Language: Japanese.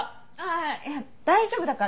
あいや大丈夫だから。